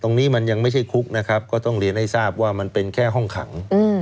ตรงนี้มันยังไม่ใช่คุกนะครับก็ต้องเรียนให้ทราบว่ามันเป็นแค่ห้องขัง